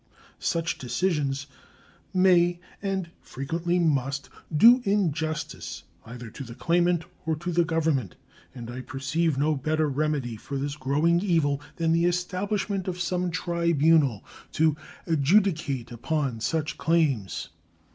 Such decisions may, and frequently must, do injustice either to the claimant or the Government, and I perceive no better remedy for this growing evil than the establishment of some tribunal to adjudicate upon such claims.